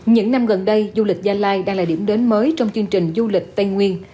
những năm gần đây du lịch gia lai đang là điểm đến mới trong chương trình du lịch tây nguyên